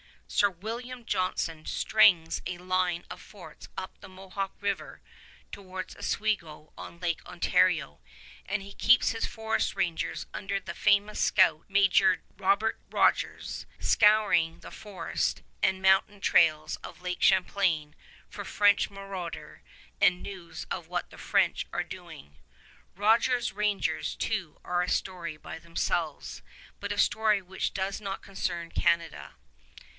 Sir William Johnson strings a line of forts up the Mohawk River towards Oswego on Lake Ontario, and he keeps his forest rangers, under the famous scout Major Robert Rogers, scouring the forest and mountain trails of Lake Champlain for French marauder and news of what the French are doing. Rogers' Rangers, too, are a story by themselves, but a story which does not concern Canada.